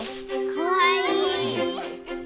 かわいい！